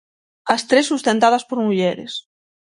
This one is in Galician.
As tres sustentadas por mulleres.